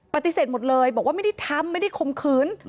ปฏิเสธหมดเลยบอกว่าไม่ได้ทำไม่ได้ข่มขืน